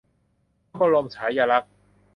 พระบรมฉายาลักษณ์